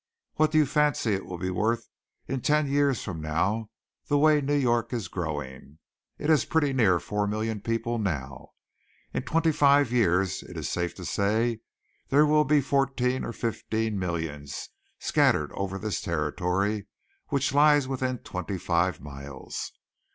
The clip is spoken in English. What do you fancy it will be worth in ten years from now the way New York is growing? It has pretty near four million people now. In twenty five years it is safe to say that there will be fourteen or fifteen millions scattered over this territory which lies within twenty five miles.